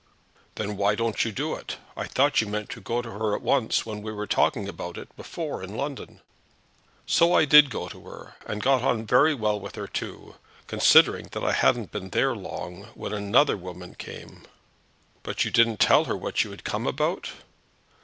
"Then why don't you do it? I thought you meant to go to her at once when we were talking about it before in London." "So I did go to her, and got on with her very well, too, considering that I hadn't been there long when another woman came in." "But you didn't tell her what you had come about?"